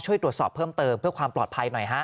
ช่วยตรวจสอบเพิ่มเติมเพื่อความปลอดภัยหน่อยฮะ